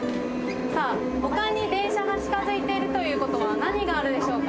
さあ丘に電車が近づいているという事は何があるでしょうか？